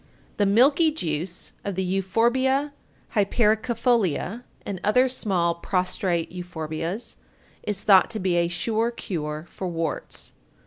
The milky juice of the Euphorbia hypericifolia (and other small prostrate Euphorbias) is thought to be a sure cure for warts.